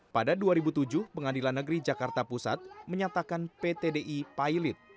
pada dua ribu tujuh pengadilan negeri jakarta pusat menyatakan pt di pilot